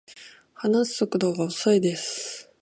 話す速度が遅いです